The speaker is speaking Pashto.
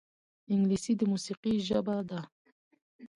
انګلیسي د موسیقۍ ژبه ده